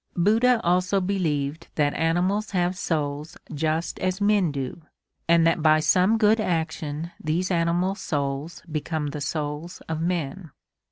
Buddha also believed that animals have souls just as men do, and that by some good action these animal souls become the souls of men.